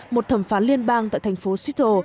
một thẩm phán liên bang tại thành phố seattle